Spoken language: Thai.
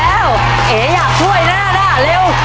เอ้อยากช่วยนะนาเร็ว